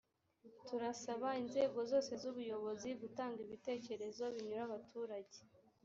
turasaba inzego zose z’ubuyobozi gutanga ibitekerezo binyura abaturage